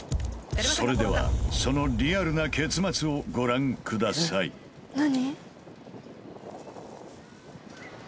それではそのリアルな結末をご覧ください何？